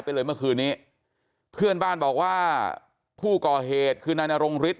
เลยเมื่อคืนนี้เพื่อนบ้านบอกว่าผู้ก่อเหตุคือนายนรงฤทธ